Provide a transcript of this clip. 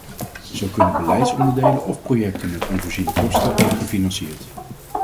Zo kunnen beleidsonderdelen of projecten met onvoorziene kosten worden gefinancierd.